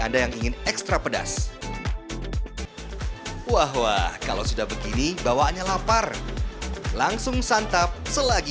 anda yang ingin ekstra pedas wah wah kalau sudah begini bawaannya lapar langsung santap selagi